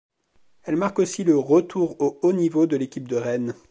Elle marque aussi le retour au haut niveau de l'équipe de Rennes.